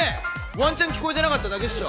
ワンチャン聞こえてなかっただけっしょ。